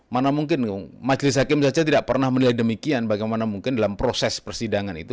mana mungkin majelis hakim saja tidak pernah menilai demikian bagaimana mungkin dalam proses persidangan itu